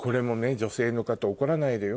女性の方怒らないでよ。